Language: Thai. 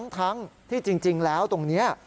ทั้งที่จริงแล้วตรงนี้